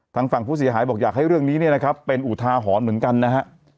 ทางฝั่งผู้เสียหายบอกอยากให้เรื่องนี้เนี่ยนะครับเป็นอุทาหรณ์เหมือนกันนะฮะ